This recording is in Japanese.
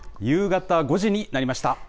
夕方５時になりました。